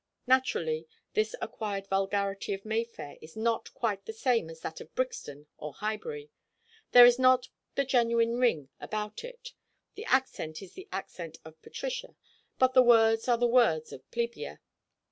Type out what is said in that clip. Naturally this acquired vulgarity of Mayfair is not quite the same as that of Brixton or Highbury. There is not the genuine ring about it. The accent is the accent of Patricia, but the words are the words of Plebeia.